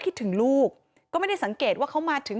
คิดถึงลูกก็ไม่ได้สังเกตว่าเขามาถึง